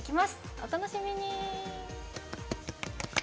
お楽しみに。